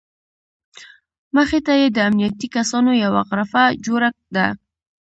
مخې ته یې د امنیتي کسانو یوه غرفه جوړه ده.